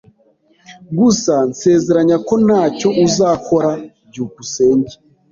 Gusa nsezeranya ko ntacyo uzakora. byukusenge